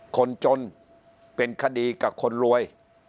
คนจนเป็นคดีกับคนรวย